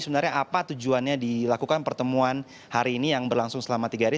sebenarnya apa tujuannya dilakukan pertemuan hari ini yang berlangsung selama tiga hari